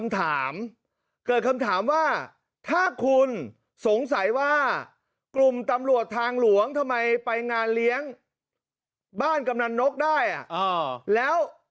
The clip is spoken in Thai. ตายใหญ่ได้ล่ะ